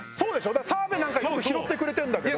だから澤部なんかよく拾ってくれてるんだけど。